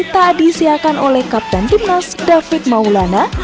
tak disiakan oleh kapten timnas david maulana